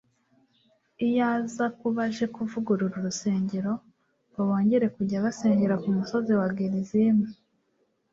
iyo aza kuba aje kuvugurura urusengero ngo bongere kujya basengera ku musozi wa Gerizimu;